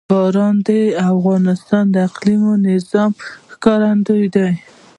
باران د افغانستان د اقلیمي نظام ښکارندوی ده.